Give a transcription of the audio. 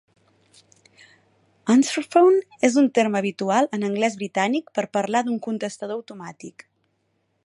"Answerphone" és un terme habitual en anglès britànic per parlar d'un contestador automàtic